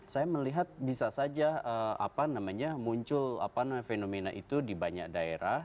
saya melihat bisa saja muncul fenomena itu di banyak daerah